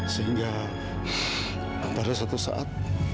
sehingga pada suatu saat